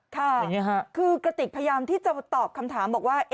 ค่ะคือกระติกพยายามที่จะตอบคำถามบอกว่า